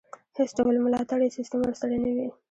هېڅ ډول ملاتړی سیستم ورسره نه وي.